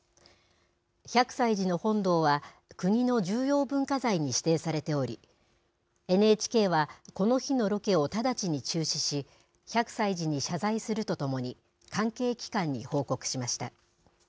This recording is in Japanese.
百済寺の本堂は、国の重要文化財に指定されており、ＮＨＫはこの日のロケを直ちに中止し、百済寺に謝罪するとともに、関係機関に報告しました。